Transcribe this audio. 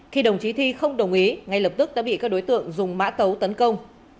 khi đồng chí thi không đồng ý ngay lập tức đã bị các đối tượng dùng mã tấu tấn công